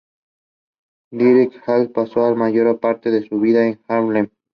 Dirck Hals pasó la mayor parte de su vida en Haarlem.